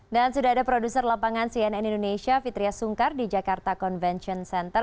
sudah ada produser lapangan cnn indonesia fitriah sungkar di jakarta convention center